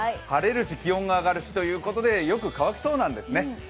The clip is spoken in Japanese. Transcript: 晴れるし、気温が上がるしということでよく乾きそうなんですね。